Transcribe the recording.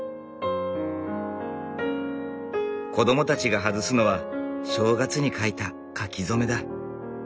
子どもたちが外すのは正月に書いた書き初めだ。